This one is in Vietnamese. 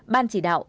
năm ban chỉ đạo